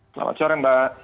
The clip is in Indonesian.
selamat sore mbak